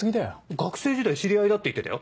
学生時代知り合いだって言ってたよ。